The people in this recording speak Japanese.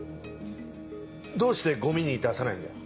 どうしてゴミに出さないんだよ。